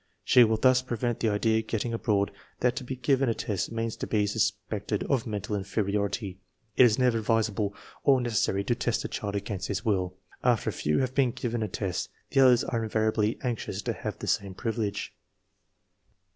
She will thus prevent the idea get ting abroad that to be given a test means to be sus pected of mental inferiority. It is never advisable or necessary to test a child against his will. After a few have been given a test the others are invariably anx ious to have the same privilege.